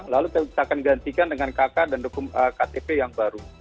lalu kita akan gantikan dengan kk dan ktp yang baru